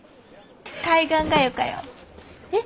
海岸がよかよ。え？